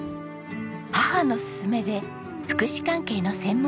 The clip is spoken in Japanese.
母の勧めで福祉関係の専門学校へ進学。